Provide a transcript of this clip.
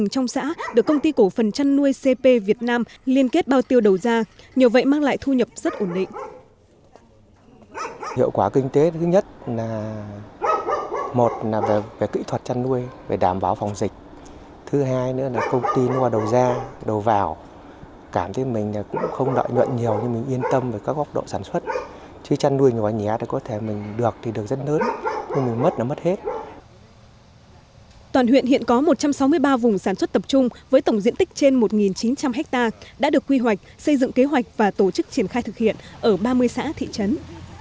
toàn huyện hiện có một trăm sáu mươi ba vùng sản xuất tập trung với tổng diện tích trên một chín trăm linh hectare đã được quy hoạch xây dựng kế hoạch và tổ chức triển khai thực hiện ở ba mươi xã thị trấn